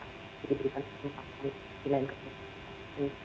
jadi diberikan kesempatan yang lain